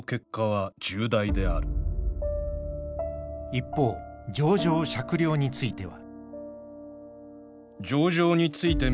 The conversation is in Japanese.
一方情状酌量については。